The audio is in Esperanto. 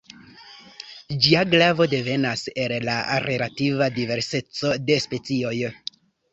Ĝia gravo devenas el la relativa diverseco de specioj.